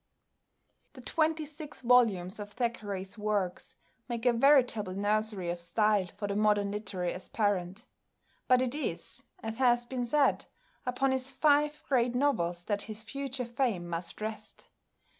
The twenty six volumes of Thackeray's works make a veritable nursery of style for the modern literary aspirant. But it is, as has been said, upon his five great novels that his future fame must rest.